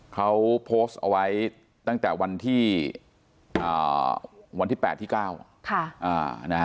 เขาโพสต์เอาไว้ตั้งแต่วันที่อ่าวันที่แปดที่เก้าค่ะอ่านะฮะ